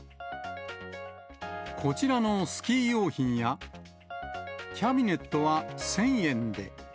こちらのスキー用品や、キャビネットは１０００円で。